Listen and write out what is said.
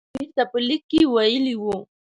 امیر ته په لیک کې ویلي وو.